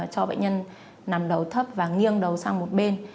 cho bệnh nhân nằm đầu thấp và nghiêng đầu sang một bên